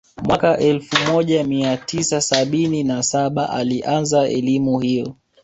Mwaka elfu moja mia tisa sabini na saba alianza elimu hiyo